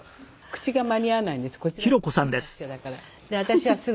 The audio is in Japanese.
口が間に合わないんです。